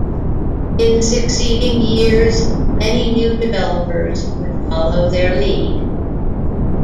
In succeeding years, many new developers would follow their lead.